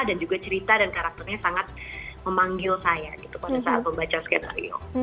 dan juga cerita dan karakternya sangat memanggil saya gitu pada saat membaca skenario